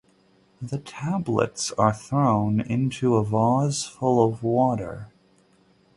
The tablets are thrown into a vase full of water.